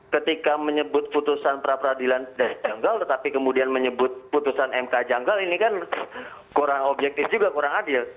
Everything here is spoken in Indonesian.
ketika menyebut putusan pra peradilan tidak janggal tetapi kemudian menyebut putusan mk janggal ini kan kurang objektif juga kurang adil